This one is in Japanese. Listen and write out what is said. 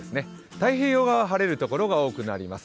太平洋側は晴れる所が多くなります。